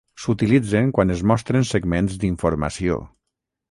S'utilitzen quan es mostren segments d'informació.